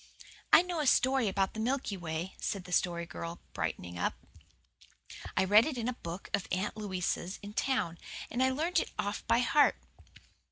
"I know a story about the Milky Way," said the Story Girl, brightening up. "I read it in a book of Aunt Louisa's in town, and I learned it off by heart.